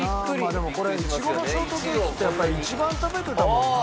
でもイチゴのショートケーキってやっぱり一番食べてたもんな。